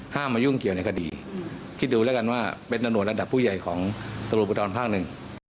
มายุ่งเกี่ยวในคดีคิดดูแล้วกันว่าเป็นตำรวจระดับผู้ใหญ่ของตำรวจพุทธรภาคหนึ่ง